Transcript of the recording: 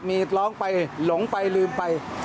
มีร้องไปหลงไปลืมไป